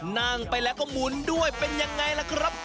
นั่งไปแล้วก็หมุนด้วยเป็นยังไงล่ะครับ